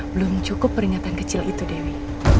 belum cukup peringatan kecil itu dewi